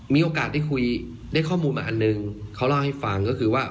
มีโอกาสได้คุยได้ข้อมูลมาอันหนึ่งเขาเล่าให้ฟังก็คือว่า